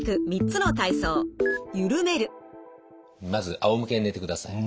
まずあおむけに寝てください。